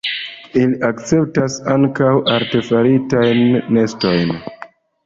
Ili akceptas ankaŭ artefaritajn nestojn.